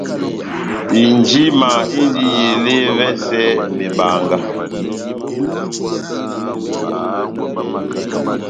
Injima indi ele ́evɛsɛ mebanga.